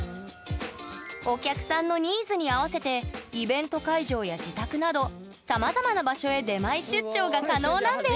お客さんのニーズに合わせてイベント会場や自宅などさまざまな場所へ出前出張が可能なんです！